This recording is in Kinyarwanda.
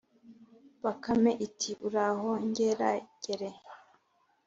bakame iti: “uraho ngeragere!”